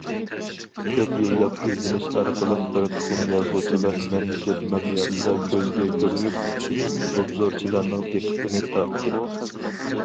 كۆپ يىللىق ئىزدىنىش ئارقىلىق بىر قىسىم يازغۇچىلار مەملىكەت مىقياسىدا كۆزگە كۆرۈنۈپ، ئوبزورچىلارنىڭ دىققىتىنى تارتتى.